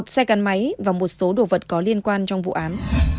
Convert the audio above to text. một xe gắn máy và một số đồ vật có liên quan trong vụ án